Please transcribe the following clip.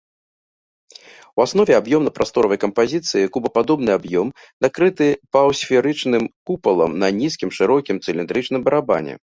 У аснове аб'ёмна-прасторавай кампазіцыі кубападобны аб'ём, накрыты паўсферычным купалам на нізкім, шырокім цыліндрычным барабане.